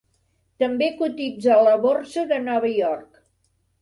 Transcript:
També cotitza a la Borsa de Nova York.